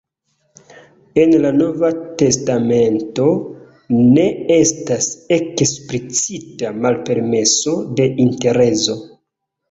En la nova testamento ne estas eksplicita malpermeso de interezo.